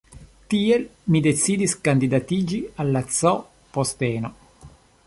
Tiel, mi decidis kandidatiĝi al la C posteno.